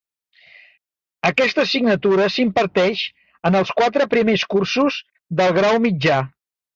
Aquesta assignatura s'imparteix en els quatre primers cursos del grau mitjà.